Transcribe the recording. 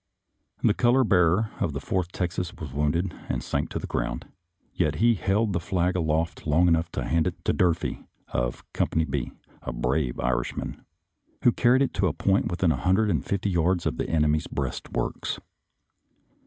The color bearer of the Fourth Texas was wounded and sank to the ground, yet he held the fiag aloft long enough to hand it to Durfee, of Company B, a brave Irishman, who carried it to a point within a hundred and fifty yards of the enemy's breastworks.